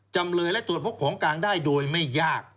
จำเลยและตรวจพบของกลางได้โดยไม่ยาก